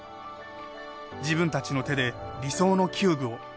自分たちの手で理想の弓具を。